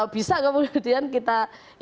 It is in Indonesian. bisa kemudian kita